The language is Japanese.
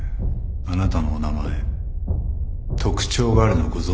あなたのお名前特徴があるのご存じですか？